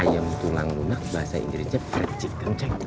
ayam tulang lunak bahasa inggrisnya percik kan ceng